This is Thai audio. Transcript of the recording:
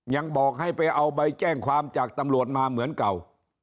ยังบอกให้ไปเอาใบแจ้งความจากตำรวจมาเหมือนเก่า